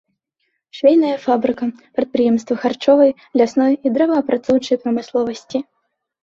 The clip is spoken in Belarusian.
Швейная фабрыка, прадпрыемствы харчовай, лясной і дрэваапрацоўчай прамысловасці.